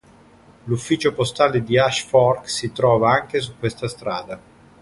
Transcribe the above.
L'ufficio postale di Ash Fork si trova anche su questa strada.